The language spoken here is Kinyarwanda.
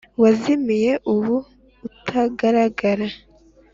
wazimiye ubu utagaragara.